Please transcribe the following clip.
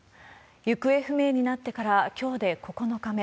行方不明になってからきょうで９日目。